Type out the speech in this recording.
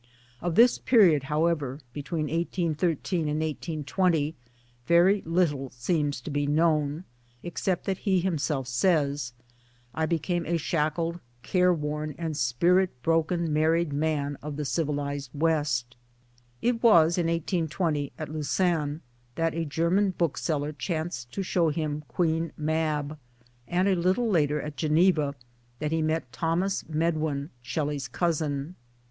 Of this period however, between 1813 and 1820, very little seems to be known, except that he himself says : "I became a shackled, careworn and spirit broken married man of the civilized West !" It was in 1820 at Lausanne that a German bookseller chanced to show him Queen Mab; and a little later, at Geneva, that he met Thomas Medwin, Shelley's cousin.